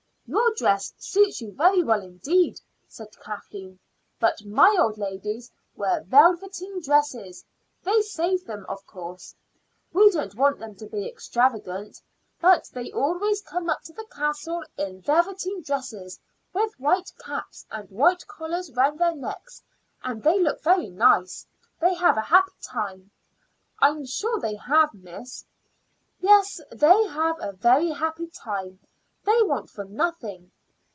"Your dress suits you very well, indeed," said Kathleen; "but my old ladies wear velveteen dresses. They save them, of course. We don't want them to be extravagant; but they always come up to the castle in velveteen dresses, with white caps, and white collars round their necks; and they look very nice. They have a happy time." "I am sure they have, miss." "Yes, they have a very happy time. They want for nothing.